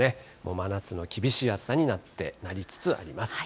真夏の厳しい暑さになりつつあります。